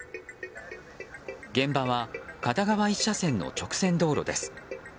現場は片側１車線の直線道路です。